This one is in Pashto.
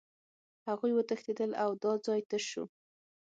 هغوی وتښتېدل او دا ځای تش شو